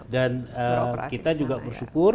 dan kita juga bersyukur